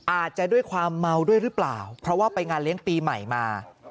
อาจจะด้วยความเมาด้วยหรือเปล่าเพราะว่าไปงานเลี้ยงปีใหม่มา